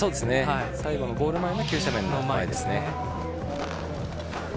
最後のゴール前の急斜面の前ですね。